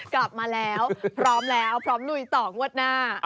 กลับมาแล้วพร้อมแล้วพร้อมลุยต่องวดหน้า